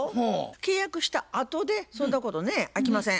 契約したあとでそんなことねあきません。